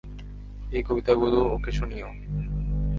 এই কবিতাগুলো ওকে শুনিও।